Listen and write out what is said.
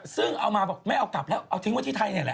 ซึ่งเอามาบอกไม่เอากลับแล้วเอาทิ้งไว้ที่ไทยนี่แหละ